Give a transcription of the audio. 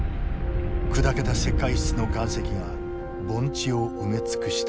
砕けた石灰質の岩石が盆地を埋め尽くした。